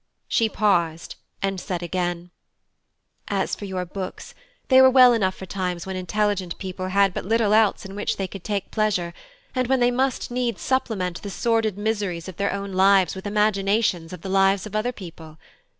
She paused, and said again: "As for your books, they were well enough for times when intelligent people had but little else in which they could take pleasure, and when they must needs supplement the sordid miseries of their own lives with imaginations of the lives of other people.